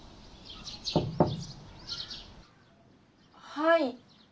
・はい。